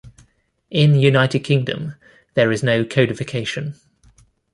In United Kingdom there is no codification.